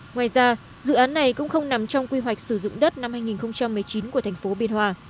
ngoài ra dự án này cũng không nằm trong quy hoạch sử dụng đất năm hai nghìn một mươi chín của thành phố biên hòa